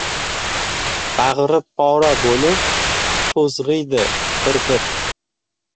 Bag‘ri pora bo‘lib to‘zg‘iydi bir-bir.